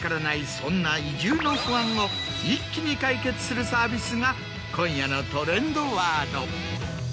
そんな移住の不安を一気に解決するサービスが今夜のトレンドワード。